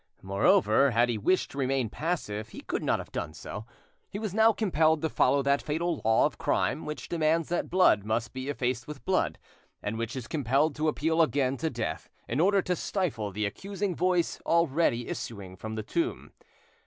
Moreover, had he wished to remain passive, he could not have done so; he was now compelled to follow that fatal law of crime which demands that blood must be effaced with blood, and which is compelled to appeal again to death in order to stifle the accusing voice already issuing from the tomb.